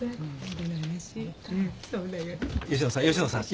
吉野さん。